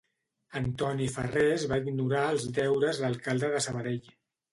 Antoni Farrés va ignorar els deures d'alcalde de Sabadell.